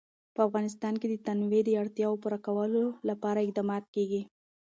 په افغانستان کې د تنوع د اړتیاوو پوره کولو لپاره اقدامات کېږي.